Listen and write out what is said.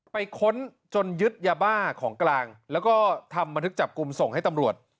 ค้นจนยึดยาบ้าของกลางแล้วก็ทำบันทึกจับกลุ่มส่งให้ตำรวจ